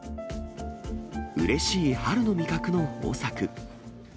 うれしい春の味覚の豊作。